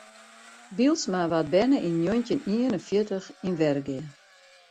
Bylsma waard berne yn njoggentjin ien en fjirtich yn Wergea.